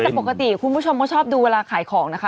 แต่ปกติคุณผู้ชมก็ชอบดูเวลาขายของนะคะ